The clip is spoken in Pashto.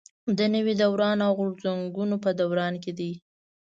د نوي دوران او غورځنګونو په دوران کې دي.